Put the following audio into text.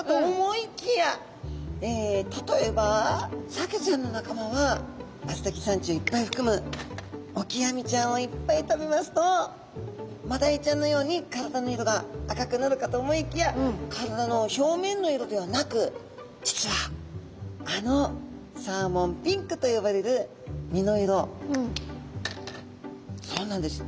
例えばサケちゃんの仲間はアスタキサンチンをいっぱいふくむオキアミちゃんをいっぱい食べますとマダイちゃんのように体の色が赤くなるかと思いきや体の表面の色ではなく実はあのサーモンピンクと呼ばれる身の色そうなんです